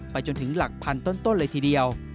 จนถึงหลักพันต้นเลยทีเดียว